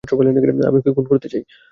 আমি ওকে খুন করতে চাই।